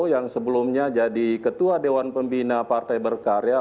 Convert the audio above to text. yang sebelumnya jadi ketua dewan pembina partai berkarya